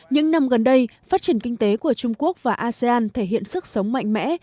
những năm gần đây phát triển kinh tế của trung quốc và asean thể hiện sức sống mạnh mẽ